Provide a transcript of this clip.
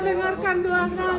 terima kasih tuhan amin